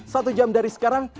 satu jam dari sekarang